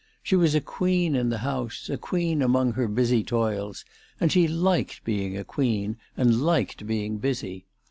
She was a queen in the house, a queen among her busy toils ; and she liked being a queen, and liked being busy.